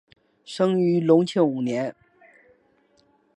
生于隆庆五年。